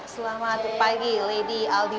selamat pagi lady aldi